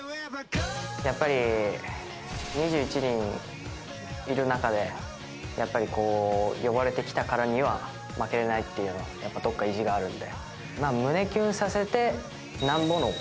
やっぱり２１人いる中でやっぱりこう呼ばれてきたからには負けられないっていうのはやっぱどこか意地があるので。